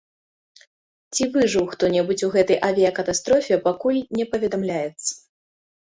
Ці выжыў хто-небудзь у гэтай авіякатастрофе, пакуль не паведамляецца.